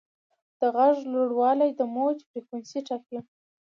د غږ لوړوالی د موج فریکونسي ټاکي.